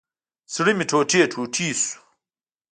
زړه مي ټوټي ټوټي شو